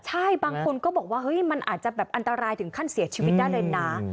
ใช่บางคนก็บอกว่าเฮ้ยมันอาจจะแบบอันตรายถึงขั้นเสียชีวิตได้เลยนะ